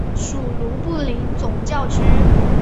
属卢布林总教区。